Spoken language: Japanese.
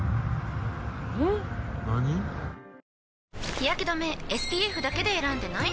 日やけ止めＳＰＦだけで選んでない？